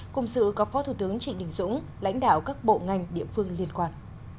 cùng sự có phó thủ tướng trịnh đình dũng lãnh đạo các bộ ngành địa phương liên quan